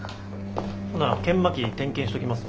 ほな研磨機点検しときますわ。